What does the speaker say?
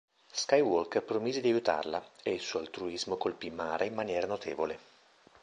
Skywalker promise di aiutarla, e il suo altruismo colpì Mara in maniera notevole.